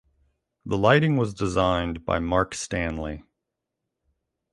The lighting was designed by Mark Stanley.